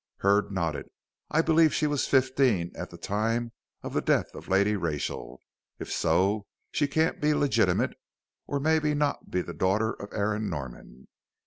Hurd nodded. "I believe she was fifteen at the time of the death of Lady Rachel. If so, she can't be legitimate or may not be the daughter of Aaron Norman.